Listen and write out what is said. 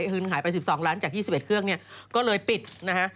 คืนหายไป๑๒ล้านจาก๒๑เครื่องเนี่ยก็เลยปิดนะฮะ